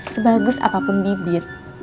sebagus apapun bibit